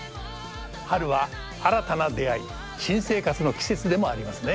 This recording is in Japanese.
春は新たな出会い新生活の季節でもありますね。